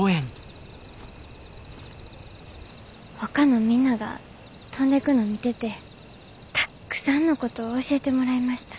ほかのみんなが飛んでくの見ててたっくさんのことを教えてもらいました。